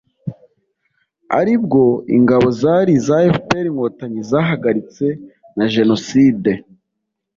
ari bwo ingabo zari iza FPR-Inkotanyi zahagaritse na Jenoside